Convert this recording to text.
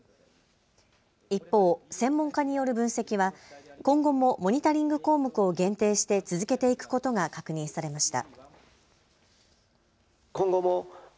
一方、専門家による分析は今後もモニタリング項目を限定して続けていくことが確認されました。